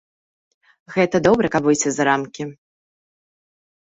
Гэта добра, каб выйсці за рамкі.